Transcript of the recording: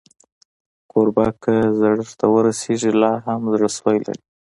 کوربه که زړښت ته ورسېږي، لا هم زړهسوی لري.